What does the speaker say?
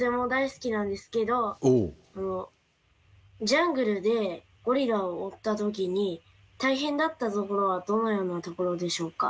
ジャングルでゴリラを追った時に大変だったところはどのようなところでしょうか？